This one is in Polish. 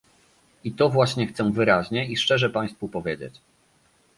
I to właśnie chcę wyraźnie i szczerze państwu powiedzieć